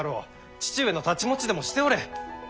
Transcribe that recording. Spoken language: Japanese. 父上の太刀持ちでもしておれ。